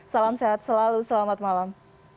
salam sehat selalu selamat malam